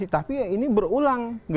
tapi ini berulang